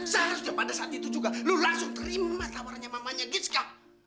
seharusnya pada saat itu juga lo langsung terima tawarnya mamanya gizka